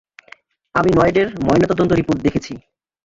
আমি লয়েডের ময়নাতদন্ত রিপোর্ট দেখেছি।